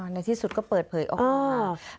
ในที่สุดก็เปิดเผยออกมา